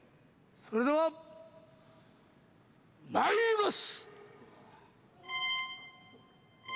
それではまいります！